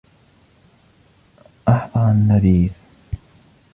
أحضر النبيذ.